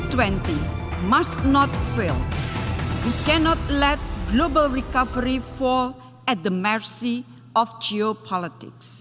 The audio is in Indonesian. kita tidak bisa membiarkan pemulihan global menurun di hadapan geopolitik